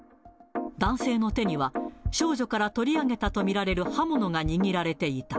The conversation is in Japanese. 男性の手には、少女から取り上げたと見られる刃物が握られていた。